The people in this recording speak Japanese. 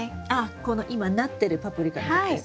この今なってるパプリカのことですか？